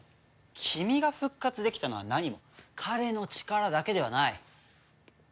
君が復活できたのは何も彼の力だけではない。